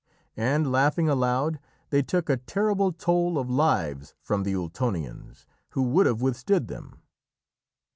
And, laughing aloud, they took a terrible toll of lives from the Ultonians who would have withstood them.